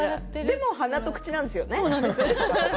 でも、鼻と口なんですよね。